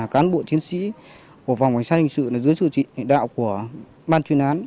cán bộ chiến sĩ của vòng quan sát hình sự dưới sự trị đạo của ban chuyên án